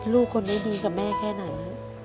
ลูกคนนี้ดีกับแม่แค่ไหน